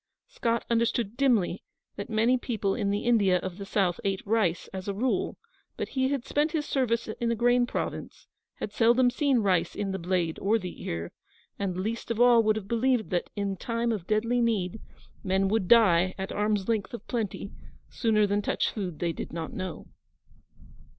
Scott understood dimly that many people in the India of the South ate rice, as a rule, but he had spent his service in a grain Province, had seldom seen rice in the blade or the ear, and least of all would have believed that, in time of deadly need, men would die at arm's length of plenty, sooner than touch food they did not know.